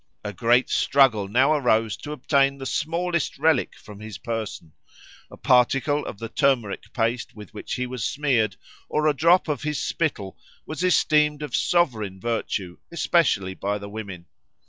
A great struggle now arose to obtain the smallest relic from his person; a particle of the turmeric paste with which he was smeared, or a drop of his spittle, was esteemed of sovereign virtue, especially by the women.